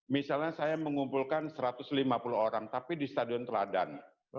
misalnya saya mengumpulkan satu ratus lima puluh orang tapi di stadion teladan